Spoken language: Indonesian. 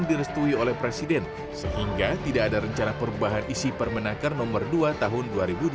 kami berharap perubahan isi permenangkar nomor dua tahun dua ribu dua puluh dua